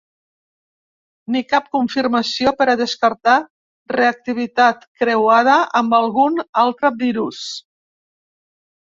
Ni cap confirmació per a descartar reactivitat creuada amb algun altre virus.